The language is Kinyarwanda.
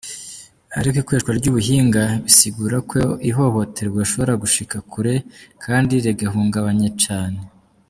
Ariko ikoreshwa ry'ubuhinga bisugura ko ihohoterwa rishobora gushika kure kandi rigahungabanya cane.